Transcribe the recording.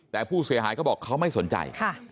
แต่ผู้เสียหายเขาบอกเขาไม่สนใจ